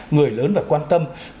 người lớn phải quan tâm